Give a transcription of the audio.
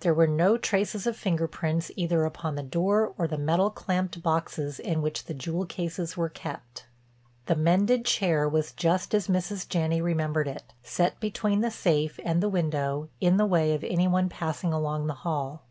There were no traces of finger prints either upon the door or the metal clamped boxes in which the jewel cases were kept. The mended chair was just as Mrs. Janney remembered it, set between the safe and the window, in the way of any one passing along the hall.